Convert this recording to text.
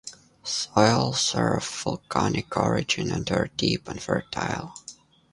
Soils are of volcanic origin and are deep and fertile.